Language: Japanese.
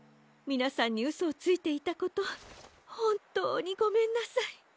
みなさんにうそをついていたことほんとうにごめんなさい。